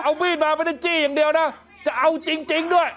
เอามีดมาไม่ได้จี้อย่างเดียวนะจะเอาจริงด้วย